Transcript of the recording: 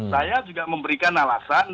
saya juga memberikan alasan